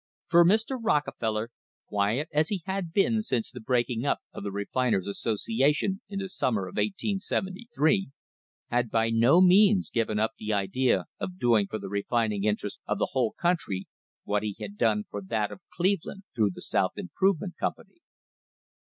For Mr. Rockefeller, quiet as he had been since the breaking up of the Refiners' Association in the summer of 1873, had by no means given up the idea of doing for the refining interest of the whole country what he had done for that of Cleveland through the South Improvement Company.